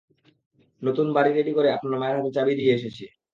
নতুন বাড়ি রেডি করে আপনার মায়ের হাতে চাবি দিয়ে এসেছি।